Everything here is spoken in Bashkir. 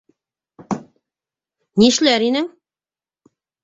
Нишләр инең?